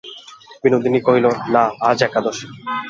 বিনোদিনী কহিল, না, আজ একাদশী।